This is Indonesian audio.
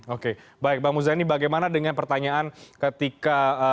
oke baik bang muzani bagaimana dengan pertanyaan ketika